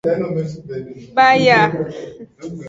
Baya.